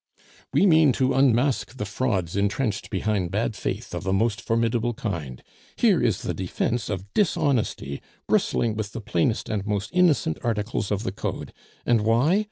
"We mean to unmask the frauds intrenched behind bad faith of the most formidable kind; here is the defence of dishonesty bristling with the plainest and most innocent articles of the Code, and why?